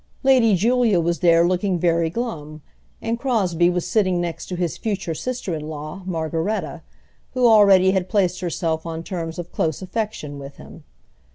Lady Julia was there looking very glum, and Crosbie was sitting next to his future sister in law Margaretta, who already had placed herself on terms of close affection with him.